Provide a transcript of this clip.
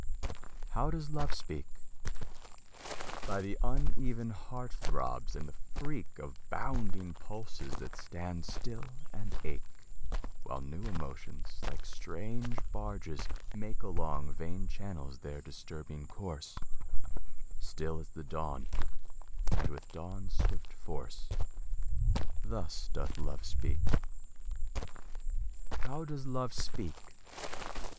How does Love speak? By the uneven heart throbs, and the freak Of bounding pulses that stand still and ache, While new emotions, like strange barges, make Along vein channels their disturbing course; Still as the dawn, and with the dawn's swift force Thus doth Love speak. How does Love speak?